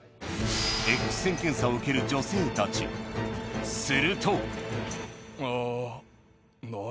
Ｘ線検査を受ける女性たちするとあ。